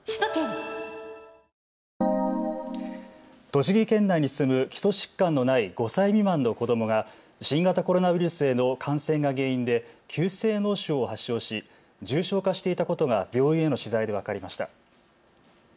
栃木県内に住む基礎疾患のない５歳未満の子どもが新型コロナウイルスへの感染が原因で急性脳症を発症し重症化していたことが病院への取材で分かりました。